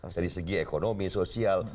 dari segi ekonomi sosial dan kerja